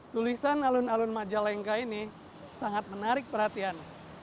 tulisan alun alun majalengka ini sangat menarik perhatian